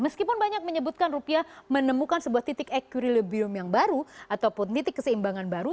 meskipun banyak menyebutkan rupiah menemukan sebuah titik equilibrium yang baru ataupun titik keseimbangan baru